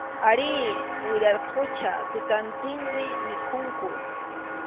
Arí, wiraqucha, tutantinmi mikhunku.